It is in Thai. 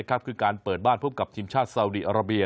คือการเปิดบ้านพบกับทีมชาติซาวดีอาราเบีย